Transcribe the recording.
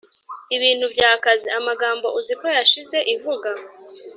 ibintu byakaze amagambo uziko yashize ivuga